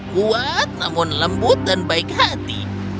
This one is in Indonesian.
kuat namun lembut dan baik hati